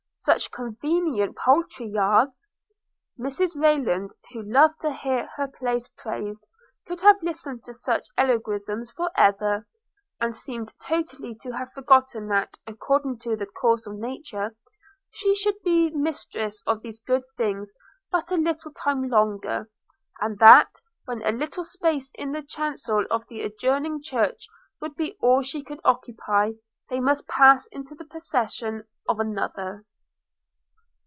such convenient poultry yards! – Mrs Rayland, who loved to hear her place praised, could have listened to such eulogiums for ever; and seemed totally to have forgotten that, according to the course of nature, she should be mistress of these good things but a little time longer, and that, when a little space in the chancel of the adjoining church would be all she could occupy, they must pass into the possession of another.